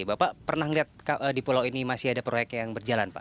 bapak pernah melihat di pulau ini masih ada proyek yang berjalan pak